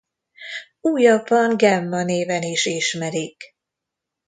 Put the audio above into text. Újabban Gemma néven is ismerik.